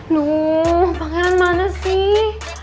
duh pangeran mana sih